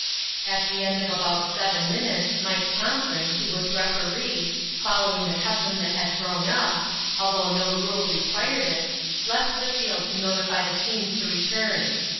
At the end of about seven minutes Mike Thompson, who was Referee, following the custom that had grown up, although no rule required it, left the field to notify the teams to return.